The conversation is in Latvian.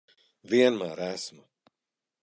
Vienmēr esmu.